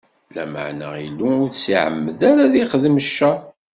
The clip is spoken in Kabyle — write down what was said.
Lameɛna Illu ur s-iɛemmed ara ad yi-ixdem cceṛ.